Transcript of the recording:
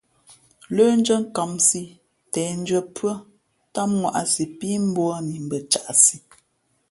Lə́ndʉ́ά nkāmsī těndʉ̄ᾱ pʉ́ά tám ŋwāꞌsī pí mbūαni mbα caʼsi.